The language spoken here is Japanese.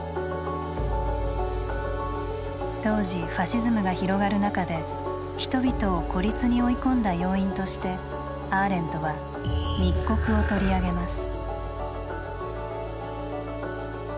当時ファシズムが広がる中で人々を「孤立」に追い込んだ要因としてアーレントは「密告」を取り上げます。